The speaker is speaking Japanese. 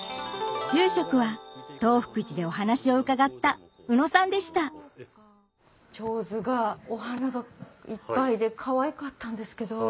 住職は東福寺でお話を伺った宇野さんでした手水がお花がいっぱいでかわいかったんですけど。